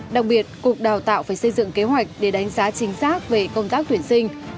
đặc biệt cục đào tạo phải xây dựng kế hoạch để đánh giá chính xác về công tác tuyển sinh